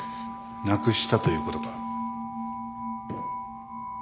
なくしたということか？